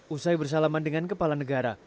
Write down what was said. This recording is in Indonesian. usai bersalaman dengan kepala negara